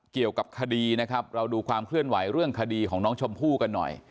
เกี่ยวกับคดีนะครับเราดูความเคลื่อนไหวเรื่องคดีของน้องชมพู่กันหน่อย